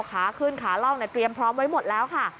ขาขึ้นขาล่องเตรียมพร้อมไว้หมดแล้วค่ะ